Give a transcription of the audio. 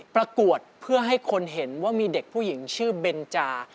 ประกวดเพื่อให้คนเห็นว่ามีเด็กผู้หญิงชื่อเบนจา